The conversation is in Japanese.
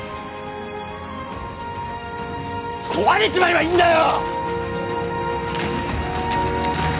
壊れちまえばいいんだよ！